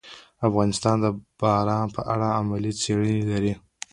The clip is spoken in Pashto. افغانستان د باران په اړه علمي څېړنې لري.